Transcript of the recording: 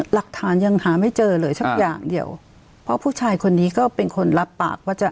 หลักฐานยังหาไม่เจอเลยสักอย่างเดียวเพราะผู้ชายคนนี้ก็เป็นคนรับปากว่าจะ